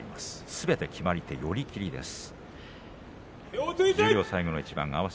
すべて決まり手は寄り切りです。